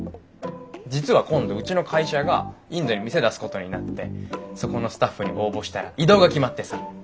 実は今度うちの会社がインドに店出すことになってそこのスタッフに応募したら異動が決まってさ。